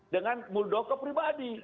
dengan muldoko pribadi